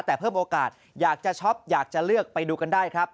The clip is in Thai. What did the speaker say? แต่เพิ่มโอกาสอยากจะช็อปอยากจะเลือกไปดูกันได้ครับ